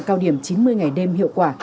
cao điểm chín mươi ngày đêm hiệu quả